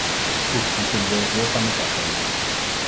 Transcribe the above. Goed, dan kunnen we doorgaan met de agenda.